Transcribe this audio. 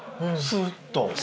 スーッと。